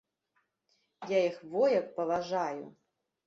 Я іх во як паважаю!